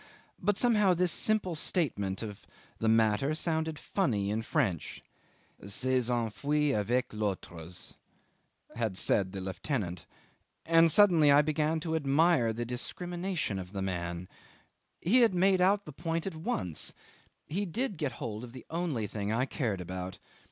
But somehow this simple statement of the matter sounded funny in French. ... "S'est enfui avec les autres," had said the lieutenant. And suddenly I began to admire the discrimination of the man. He had made out the point at once: he did get hold of the only thing I cared about.